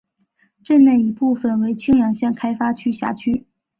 镇内一部分为青阳县开发区辖区。